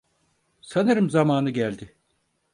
Sanırım zamanı geldi.